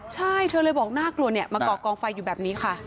ใช่เธอเลยบอกน่ากลัวเนี่ยมาก่อกองไฟอยู่แบบนี้ค่ะ